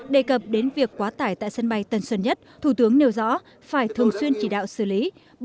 đề cập đến việc quá tải tại sân bay tân sơn nhất thủ tướng nêu rõ phải thường xuyên chỉ đạo xử lý